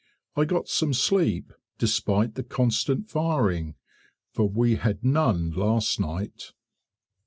I got some sleep despite the constant firing, for we had none last night.